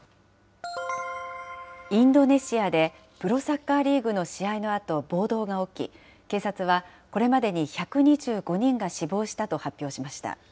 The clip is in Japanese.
インドネシアで、プロサッカーリーグの試合のあと暴動が起き、警察は、これまでに１２５人が死亡したと発表しました。